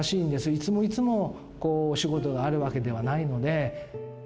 いつもいつもこう、お仕事があるわけではないので。